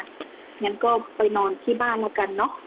งั้นก็ไปนอนที่บ้านแล้วกันเนอะ